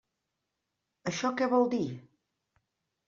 Això què vol dir?